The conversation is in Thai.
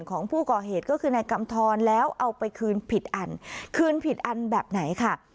ของผู้ก่อเหตุก็คือนายกำทรแล้วเอาไปคืนผิดอันคืนผิดอันแบบไหนค่ะ